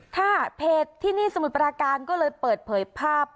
เพจที่นี่สมุทรปราการก็เลยเปิดเผยภาพ